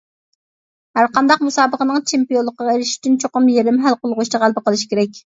ھەرقانداق مۇسابىقىنىڭ چېمپىيونلۇقىغا ئېرىشىش ئۈچۈن، چوقۇم يېرىم ھەل قىلغۇچتا غەلىبە قىلىش كېرەك.